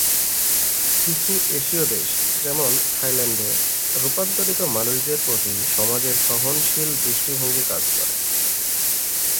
কিছু এশীয় দেশ, যেমন থাইল্যান্ডে, রূপান্তরিত মানুষদের প্রতি সমাজের সহনশীল দৃষ্টিভঙ্গি কাজ করে।